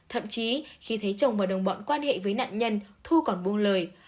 thậm chí khi thấy chồng và đồng bọn quan hệ với nạn nhân thu còn buông lời